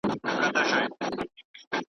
ما یې پښو ته وه لیدلي بې حسابه وزرونه .